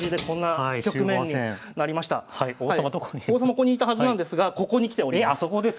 ここに居たはずなんですがここに来ております。